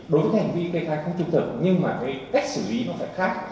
đối với hành vi kê khai không trung thực nhưng mà cái cách xử lý nó vẫn khác